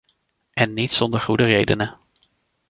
En niet zonder goede redenen.